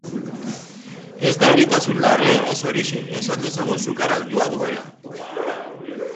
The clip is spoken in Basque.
Ez da eritasun larria, ez horixe, esan dezagun sukar altua duela.